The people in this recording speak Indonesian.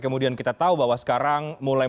kemudian kita tahu bahwa sekarang mulai